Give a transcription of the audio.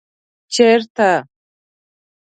ـ چېرته ؟